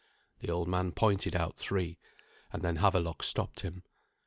The old man pointed out three, and then Havelok stopped him.